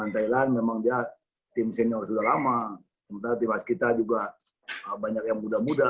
tim tim tim